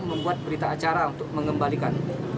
membuat berita acara untuk mengembalikan